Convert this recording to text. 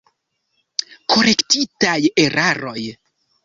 Korektitaj eraroj.